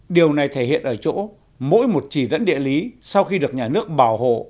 điều này thể hiện ở chỗ mỗi một chỉ dẫn địa lý sau khi được nhà nước bảo hộ